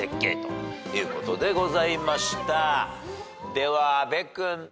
では阿部君。